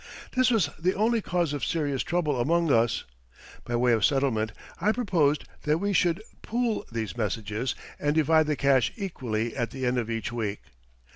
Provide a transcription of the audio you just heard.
This was the only cause of serious trouble among us. By way of settlement I proposed that we should "pool" these messages and divide the cash equally at the end of each week.